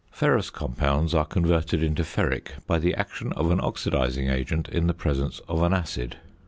Ferrous compounds are converted into ferric by the action of an oxidising agent in the presence of an acid.